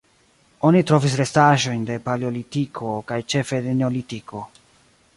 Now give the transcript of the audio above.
Oni trovis restaĵojn de Paleolitiko kaj ĉefe de Neolitiko.